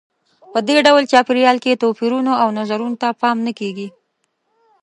په دې ډول چاپېریال کې توپیرونو او نظرونو ته پام نه کیږي.